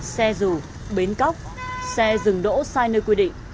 xe rù bến cóc xe rừng đỗ sai nơi quy định